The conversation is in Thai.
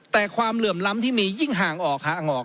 แต่ความเหลื่อมล้ำที่มียิ่งห่างออก